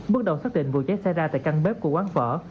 bước đầu xác định vụ cháy xảy ra tại căn bếp của quán phở